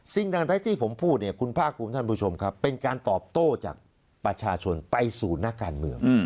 สิ่งต่างใดที่ผมพูดเนี่ยคุณภาคภูมิท่านผู้ชมครับเป็นการตอบโต้จากประชาชนไปสู่นักการเมือง